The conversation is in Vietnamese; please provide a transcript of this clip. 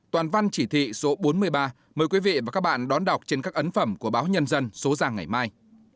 toàn văn chỉ thị số bốn mươi ba mời quý vị và các bạn đón đọc trên các ấn phẩm của báo nhân dân số ra ngày mai